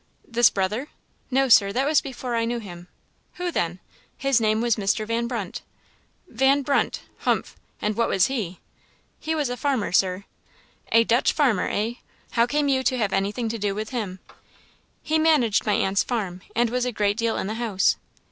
"This brother?" "No, Sir; that was before I knew him." "Who then?" "His name was Mr. Van Brunt." "Van Brunt! Humph! And what was he?" "He was a farmer, Sir." "A Dutch farmer, eh? How came you to have anything to do with him?" "He managed my aunt's farm, and was a great deal in the house."